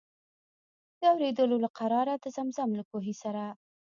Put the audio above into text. د اورېدلو له قراره د زمزم له کوهي سره.